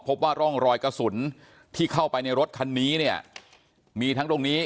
พบว่าร่องรอยกระสุนที่เข้าไปในรถคันนี้เนี่ยมีทั้งตรงนี้